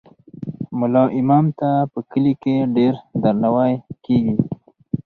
ملا امام ته په کلي کې ډیر درناوی کیږي.